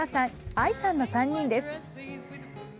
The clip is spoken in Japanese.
ＡＩさんの３人です。